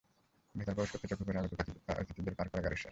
ভেতরে প্রবেশ করতেই চোখে পড়ে আগত অতিথিদের পার্ক করা গাড়ির সারি।